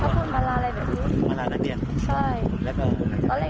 เชิงชู้สาวกับผอโรงเรียนคนนี้